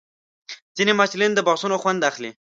ځینې محصلین د بحثونو خوند اخلي.